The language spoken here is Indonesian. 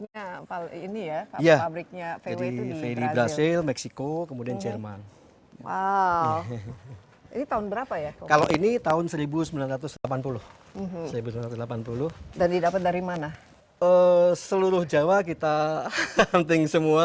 ya seperti perusahaan